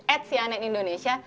at cnn indonesia